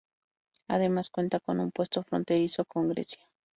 Además, cuenta con un puesto fronterizo con Grecia.